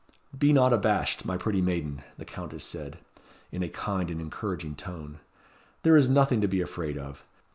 "Be not abashed, my pretty maiden," the Countess said, in a kind and encouraging tone; "there is nothing to be afraid of.